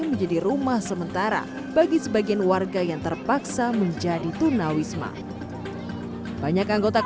menjadi rumah sementara bagi sebagian warga yang terpaksa menjadi tunawisma banyak anggota